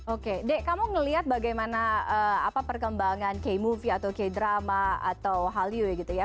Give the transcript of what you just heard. oke d kamu ngelihat bagaimana apa perkembangan k movie atau k drama atau hallyu ya gitu ya